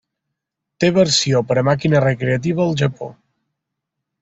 Té versió per a màquina recreativa al Japó.